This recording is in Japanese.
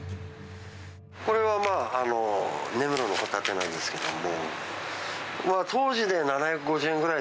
これはまあ根室のホタテなんですけども。